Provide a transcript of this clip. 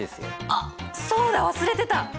あっそうだ忘れてた！